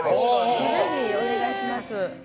ぜひお願いします。